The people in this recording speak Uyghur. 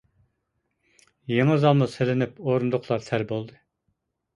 يېڭى زالمۇ سېلىنىپ، ئورۇندۇقلار تەل بولدى.